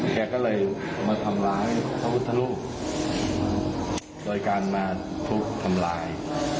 แกก็เลยมาทำร้ายพระพุทธรูปโดยการมาทุบทำลาย